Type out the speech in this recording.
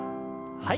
はい。